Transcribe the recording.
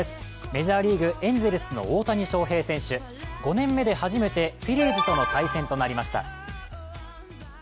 メジャーリーグ、エンゼルスの大谷翔平選手、５年目で初めて、フィリーズとの対戦となりました。